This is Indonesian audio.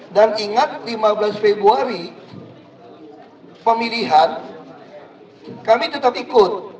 dan ingat lima belas februari pemilihan kami tetap ikut